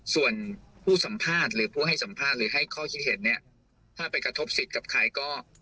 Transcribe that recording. ส่วนผู้สัมภาษณ์หรือผู้ให้สัมภาษณ์หรือให้ข้อคิดเห็นเนี่ยถ้าไปกระทบสิทธิ์กับใครก็